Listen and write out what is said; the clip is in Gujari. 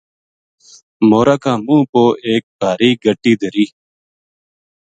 مور ا کا منہ پو ایک بڑی بھاری گَٹی دھری